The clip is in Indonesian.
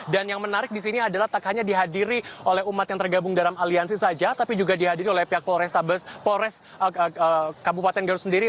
dan yang menarik di sini adalah tak hanya dihadiri oleh umat yang tergabung dalam aliansi saja tapi juga dihadiri oleh pihak polres kabupaten garut sendiri